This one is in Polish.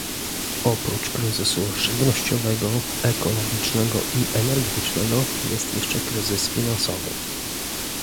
oprócz kryzysu żywnościowego, ekologicznego i energetycznego jest jeszcze kryzys finansowy